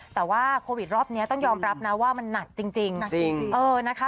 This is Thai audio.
แต่ว่าโควิดรอบเนี้ยต้องยอมรับนะว่ามันหนัดจริงจริงหนัดจริงจริงเออนะคะ